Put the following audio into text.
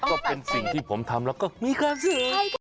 ก็เป็นสิ่งที่ผมทำแล้วก็มีความสุข